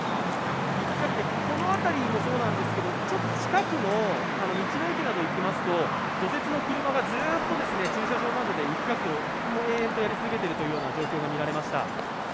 この辺りもそうなんですけど近くの道の駅などに行きますと、除雪の車が駐車場などで雪かきを延々とやり続けている状況などが見られました。